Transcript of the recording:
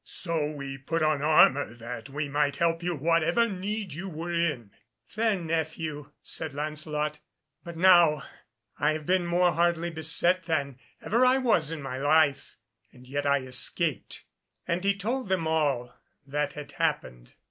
So we put on armour that we might help you whatever need you were in." "Fair nephew," said Lancelot, "but now I have been more hardly beset than ever I was in my life, and yet I escaped," and he told them all that had happened.